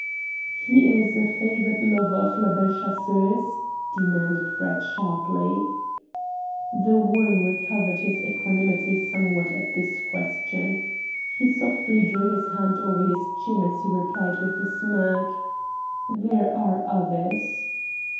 "He is a favoured lover of La Belle Chasseuse?" demanded Brett sharply. "The Worm" recovered his equanimity somewhat at this question. He softly drew his hand over his chin as he replied with a smirk: "There are others!"